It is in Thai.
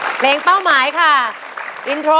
แม่งจากที่